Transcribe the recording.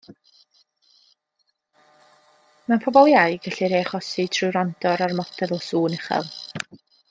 Mewn pobl iau, gellir ei achosi trwy wrando ar ormodedd o sŵn uchel.